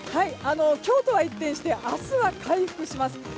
今日とは一転して明日は回復します。